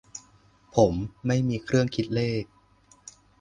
"ผมไม่มีเครื่องคิดเลข"